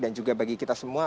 dan juga bagi kita semua